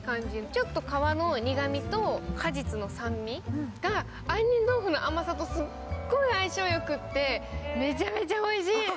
ちょっと皮の苦みと果実の酸味が杏仁豆腐の甘さとすっごい相性がよくてめちゃめちゃおいしい！